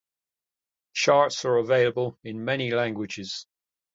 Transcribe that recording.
Charts are available in many languages.